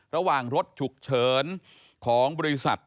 ระหว่างรถฉุกเฉินของบริษัท